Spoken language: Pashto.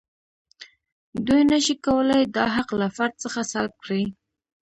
دوی نشي کولای دا حق له فرد څخه سلب کړي.